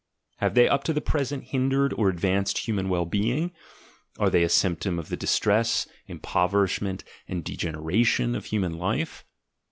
Have they up to the present hindered or advanced human well being? Are they a symptom of the distress, impoverishment, and degeneration of Human Life?